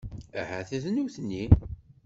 Ahat d nutni.